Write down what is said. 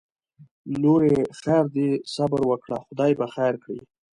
لورې خیر دی صبر وکړه خدای به خیر کړي